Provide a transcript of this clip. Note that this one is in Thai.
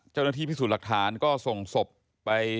เจ้าหน้าที่พิสูจน์หลักฐานก็ส่งศพไป